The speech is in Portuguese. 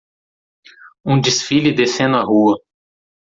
Um desfile descendo a rua.